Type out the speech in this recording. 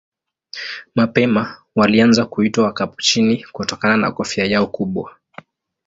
Mapema walianza kuitwa Wakapuchini kutokana na kofia yao kubwa.